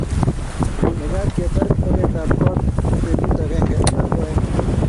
mekat ketar toketab koot eng betut agenge anan oeng'